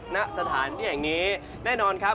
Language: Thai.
ณสถานที่แห่งนี้แน่นอนครับ